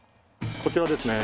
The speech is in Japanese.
こちらですね。